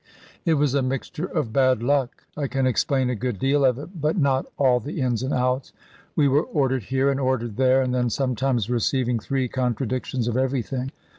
It was a mixture of bad luck. I can explain a good deal of it, but not all the ins and outs. We were ordered here, and ordered there, and then sometimes receiving three contradictions of everything.